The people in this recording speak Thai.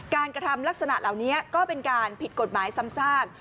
กระทำลักษณะเหล่านี้ก็เป็นการผิดกฎหมายซ้ำซาก